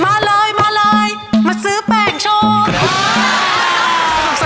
มาเลยมาเลยมาซื้อแป้งโชค